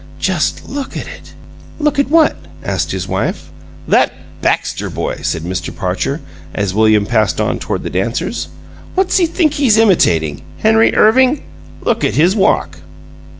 "Just look at it!" "Look at what?" asked his wife. "That Baxter boy!" said Mr. Parcher, as William passed on toward the dancers. "What's he think he's imitating Henry Irving? Look at his walk!"